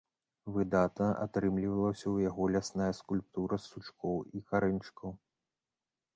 Выдатна атрымлівалася ў яго лясная скульптура з сучкоў і карэньчыкаў.